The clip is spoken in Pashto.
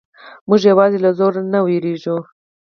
موږ یوازې له زور نه وېریږو.